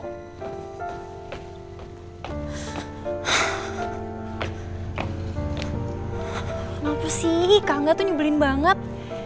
kenapa sih kangga tuh nyebelin banget